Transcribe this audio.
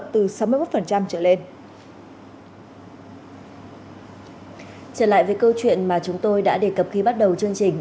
trở lại với câu chuyện mà chúng tôi đã đề cập khi bắt đầu chương trình